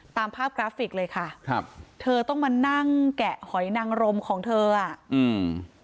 ตามภาพกราฟิกเลยค่ะครับเธอต้องมานั่งแกะหอยนังรมของเธออ่ะอืม